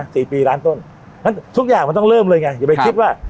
สี่ปีล้านต้นนั้นทุกอย่างมันต้องเริ่มเลยไงอย่าไปคิดว่า